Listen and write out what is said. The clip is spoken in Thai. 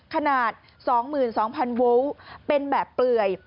ขนาด๒๒๐๐โวลต์เป็นแบบเปลื่อย